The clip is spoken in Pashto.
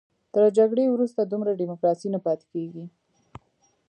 تر جګړې وروسته دومره ډیموکراسي نه پاتې کېږي.